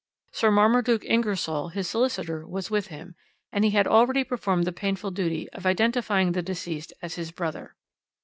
Sir Marmaduke Ingersoll, his solicitor, was with him, and he had already performed the painful duty of identifying the deceased as his brother.